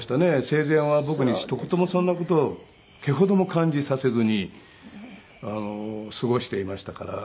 生前は僕にひと言もそんな事を毛ほども感じさせずに過ごしていましたから。